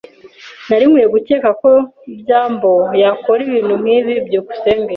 Nari nkwiye gukeka ko byambo yakora ibintu nkibi. byukusenge